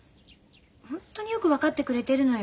ホントによく分かってくれてるのよ。